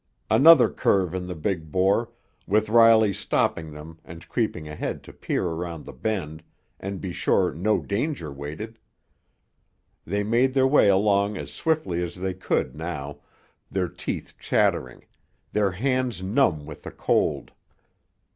Another curve in the big bore, with Riley stopping them and creeping ahead to peer around the bend, and be sure no danger waited! They made their way along as swiftly as they could now, their teeth chattering, their hands numb with the cold.